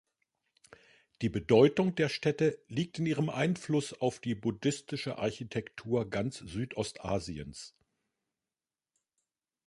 Die Bedeutung der Stätte liegt in ihrem Einfluss auf die buddhistische Architektur ganz Südostasiens.